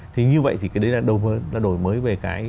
thì như vậy thì cái đấy là đầu mối là đổi mới về cái